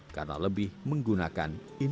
karena lebih menggunakan jempa ringan